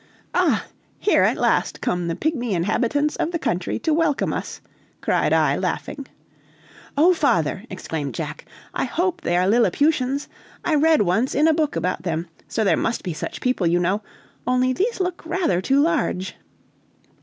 "Ah! here at last come the pigmy inhabitants of the country to welcome us!" cried I, laughing. "Oh, father!" exclaimed Jack, "I hope they are Lilliputians! I once read in a book about them, so there must be such people, you know, only these look rather too large."